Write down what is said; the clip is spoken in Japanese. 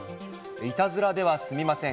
いたずらでは済みません。